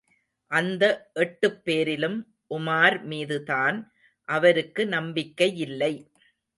அந்த எட்டுப்பேரிலும் உமார் மீதுதான் அவருக்கு நம்பிக்கையில்லை.